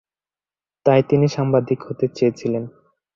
তাই তিনি সাংবাদিক হতে চেয়েছিলেন।